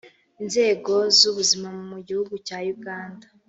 Inzego z’ubuzima mu gihu cya Uganda